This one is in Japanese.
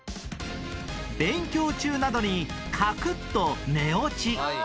勉強中などにカクッと寝落ち